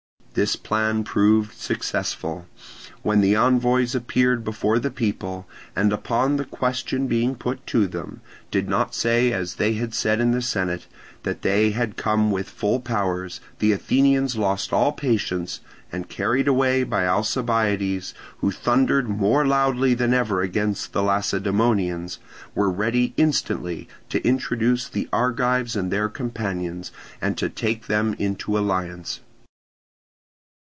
This plan proved successful. When the envoys appeared before the people, and upon the question being put to them, did not say as they had said in the senate, that they had come with full powers, the Athenians lost all patience, and carried away by Alcibiades, who thundered more loudly than ever against the Lacedaemonians, were ready instantly to introduce the Argives and their companions and to take them into alliance.